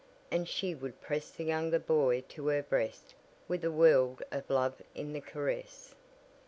and she would press the younger boy to her breast with a world of love in the caress.